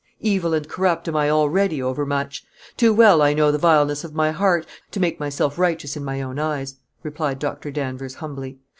Evil and corrupt am I already over much. Too well I know the vileness of my heart, to make myself righteous in my own eyes," replied Dr. Danvers, humbly.